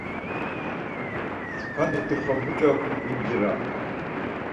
Skani dixo muç̌o vincira?